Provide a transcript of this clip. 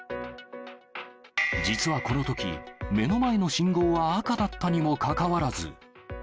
実はこのとき、目の前の信号は赤だったにもかかわらず。